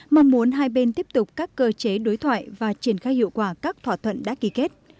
mong muốn hai bên tiếp tục các cơ chế đối thoại và triển khai hiệu quả các thỏa thuận đã ký kết